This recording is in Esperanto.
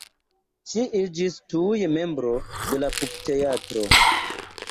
Ŝi iĝis tuj membro de la pupteatro.